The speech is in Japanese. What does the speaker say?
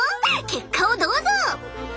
結果をどうぞ！